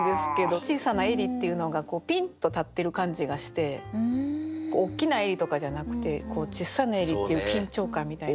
「小さな襟」っていうのがピンッと立ってる感じがして大きな襟とかじゃなくてちっさな襟っていう緊張感みたいな。